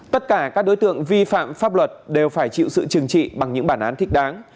tất cả các đối tượng vi phạm pháp luật đều phải chịu sự trừng trị bằng những bản án thích đáng